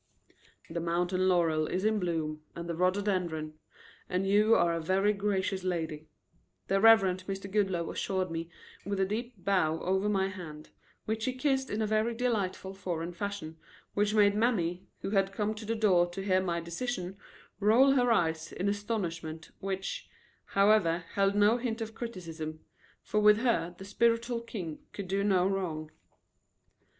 "The mountain laurel is in bloom and the rhododendron, and you are a very gracious lady," the Reverend Mr. Goodloe assured me with a deep bow over my hand, which he kissed in a very delightful foreign fashion which made Mammy, who had come to the door to hear my decision, roll her eyes in astonishment which, however, held no hint of criticism, for with her the spiritual king could do no wrong.